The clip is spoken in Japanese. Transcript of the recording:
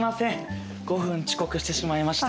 ５分遅刻してしまいました。